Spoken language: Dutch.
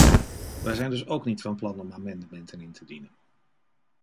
Wij zijn dus ook niet van plan om amendementen in te dienen.